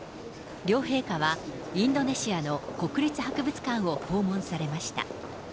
両陛下はインドネシアの国立博物館を訪問されました。